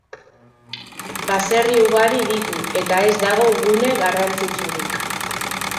Baserri ugari ditu eta ez dago gune garrantzitsurik.